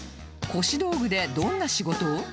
腰道具でどんな仕事を？